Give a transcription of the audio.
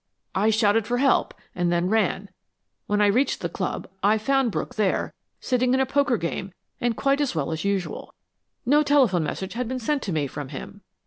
"I shouted for help, and then ran. When I reached the club I found Brooke there, sitting in a poker game and quite as well as usual. No telephone message had been sent to me from him.